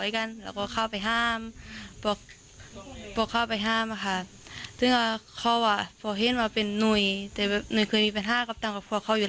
เขาถึงกระสุนตรงจะบรรยาใด